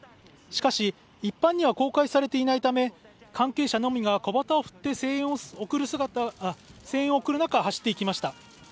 しかし一般には公開されていないため関係者のみが小旗を振って声援を送る中、走っていきました。